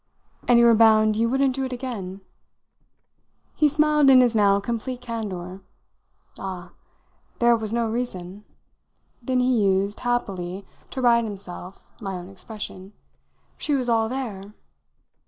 "And you were bound you wouldn't do it again?" He smiled in his now complete candour. "Ah, there was no reason." Then he used, happily, to right himself, my own expression. "She was all there."